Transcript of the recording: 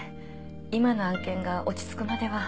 今の案件が落ち着くまでは。